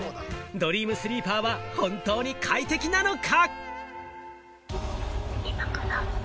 ドリームスリーパーは本当に快適なのか？